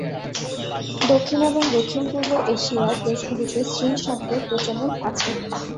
দক্ষিণ এবং দক্ষিণপূর্ব এশিয়ার দেশগুলিতে শ্রী শব্দের প্রচলন আছে।